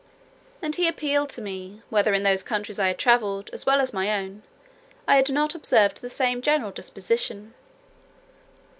And he appealed to me, whether in those countries I had travelled, as well as my own, I had not observed the same general disposition."